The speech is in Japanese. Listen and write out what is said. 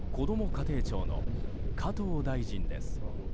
家庭庁の加藤大臣です。